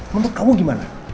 menurut kamu gimana